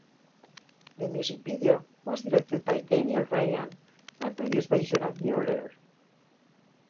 The music video was directed by Daniel Ryan and produced by Jonah Mueller.